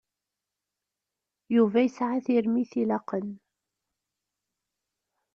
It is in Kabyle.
Yuba yesεa tirmit ilaqen.